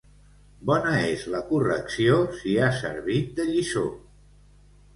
Bona és la correcció si ha servit de lliçó.